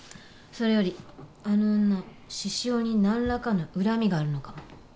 それよりあの女獅子雄に何らかの恨みがあるのかも。